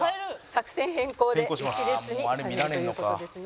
作戦変更で１列にされるという事ですね。